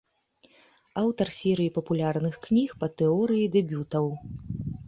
Аўтар серыі папулярных кніг па тэорыі дэбютаў.